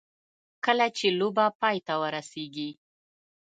کله چې لوبه پای ته ورسېږي.